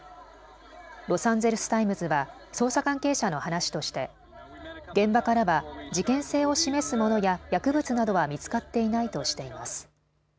ロサンゼルス・タイムズは捜査関係者の話として現場からは事件性を示すものや薬物などは見つかっていないとしています。